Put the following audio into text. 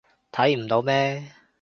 睇唔到咩？